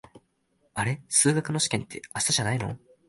あれ、数学の試験って明日じゃないの？